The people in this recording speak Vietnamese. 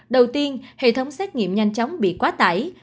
đầu tiên hệ thống xét nghiệm nhanh chóng bị quá tải